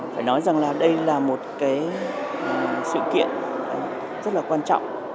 phải nói rằng đây là một sự kiện rất quan trọng